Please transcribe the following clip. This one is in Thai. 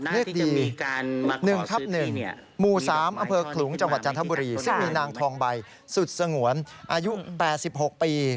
เลขดี๑ทับ๑หมู่๓อำเภอขลุงจังหวัดจันทบุรีซึ่งมีนางทองใบสุดสงวนอายุ๘๖ปี